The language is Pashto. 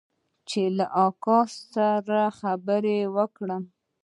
چې له اکا سره خبرې وکم.